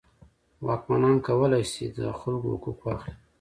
واکمنان کولی شول د خلکو حقوق واخلي.